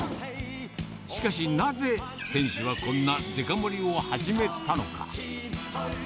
しかし、なぜ店主はこんなデカ盛りを始めたのか。